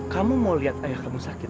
kamu mau lihat ayah kamu sakit